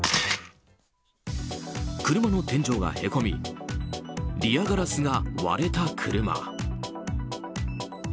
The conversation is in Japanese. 車の天井が凹みリアガラスが割れた車。